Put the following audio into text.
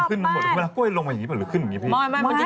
กล้วยลงมาอย่างนี้ป่ะหรือขึ้นอย่างนี้พี่